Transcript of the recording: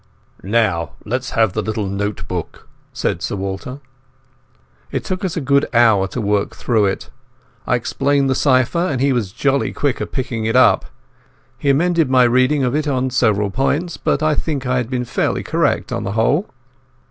"Now let us have the little note book," said Sir Walter. It took us a good hour to work through it. I explained the cypher, and he was jolly quick at picking it up. He emended my reading of it on several points, but I had been fairly correct, on the whole.